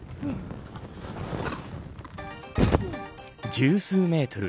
１０数メートル